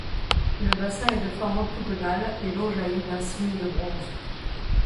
Le bassin est de forme octogonale et l’eau jailli d’un cygne de bronze.